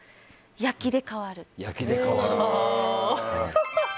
焼きで変わる。